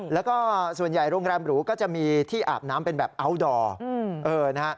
แล้วก็ส่วนใหญ่โรงแรมหรูก็จะมีที่อาบน้ำเป็นแบบอัลดอร์นะฮะ